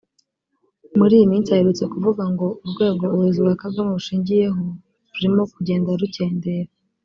muri iyi minsi aherutse kuvuga ngo urwego ubuyobozi bwa Kagame bushingiyeho rurimo kugenda rukendera